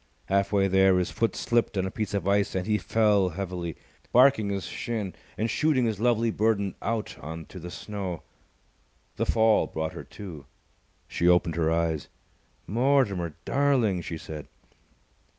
Half way there, his foot slipped on a piece of ice and he fell heavily, barking his shin and shooting his lovely burden out on to the snow. The fall brought her to. She opened her eyes. "Mortimer, darling!" she said.